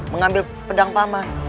mengambil pedang paman